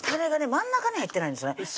真ん中に入ってないんですよね